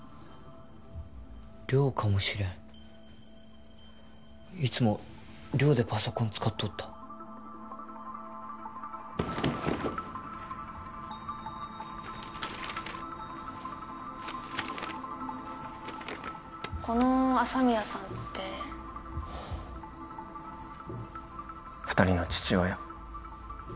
寮かもしれんいつも寮でパソコン使っとったこの朝宮さんって二人の父親